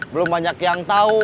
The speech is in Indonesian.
belum banyak yang tahu